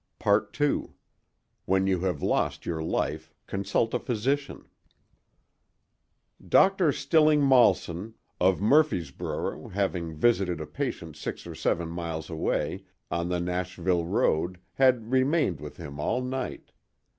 II WHEN YOU HAVE LOST YOUR LIFE CONSULT A PHYSICIAN Dr. Stilling Malson, of Murfreesboro, having visited a patient six or seven miles away, on the Nashville road, had remained with him all night.